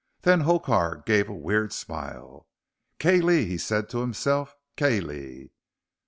Then Hokar gave a weird smile. "Kalee!" he said to himself. "Kalee!"